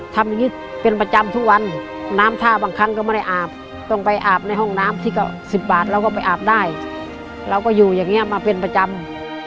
ทำอย่างนี้เป็นประจำทุกวันน้ำท่าบางครั้งก็ไม่ได้อาบต้องไปอาบในห้องน้ำที่ก็๑๐บาทเราก็ไปอาบได้เราก็อยู่อย่างนี้มาเป็นประจำ